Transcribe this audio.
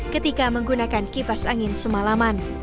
ketika menggunakan kipas angin semalaman